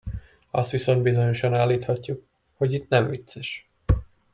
Azt viszont bizonyosan állíthatjuk, hogy itt nem vicces.